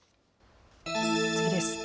次です。